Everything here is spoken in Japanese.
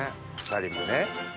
２人もね